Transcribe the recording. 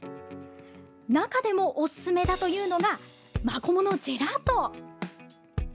中でもおすすめだというのがまこものジェラート。